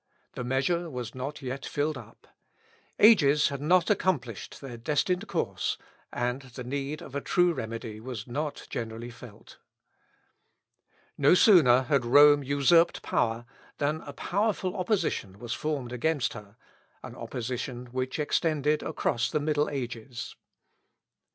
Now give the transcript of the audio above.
The measure was not yet filled up. Ages had not accomplished their destined course, and the need of a true remedy was not generally felt. No sooner had Rome usurped power than a powerful opposition was formed against her, an opposition which extended across the middle ages.